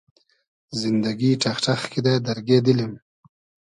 زیندئگی ݖئخ ݖئخ کیدۂ دئرگې دیلیم